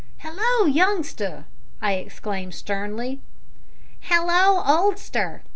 "Hallo, youngster!" I exclaimed sternly. "Hallo, oldster!"